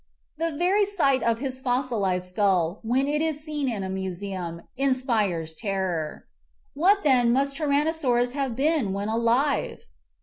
The very sight of his fossilized skull when it is seen in a museum inspires terror. What, then, must Tyrannosaurus have been when alive